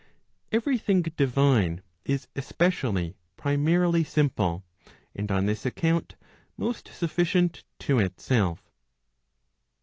, Every thing divine, is especially primarily simple, and on this account most sufficient to itself.